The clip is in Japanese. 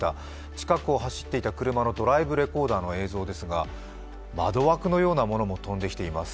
近くを走っていた車のドライブレコーダーの映像ですが、窓枠のようなものも飛んできています。